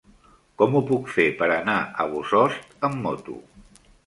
Com ho puc fer per anar a Bossòst amb moto?